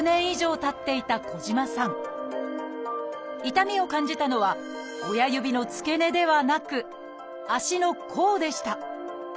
痛みを感じたのは親指の付け根ではなく足の甲でした。